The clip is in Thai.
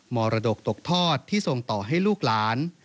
มรดกตกทอดที่ส่งต่อให้ลูกหลาน